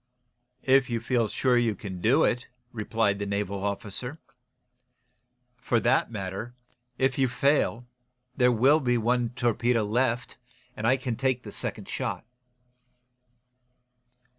"If you feel sure you can do it," replied the naval officer. "For that matter, if you fail, there'll be one loaded torpedo left, and I can take the second shot."